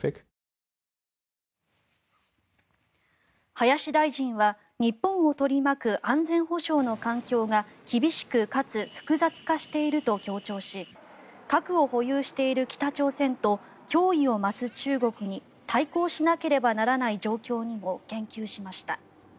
林大臣は日本を取り巻く安全保障の環境が厳しくかつ複雑化していると強調し核を保有している北朝鮮と脅威を増す中国に対抗しなければならない状況にも言及しました。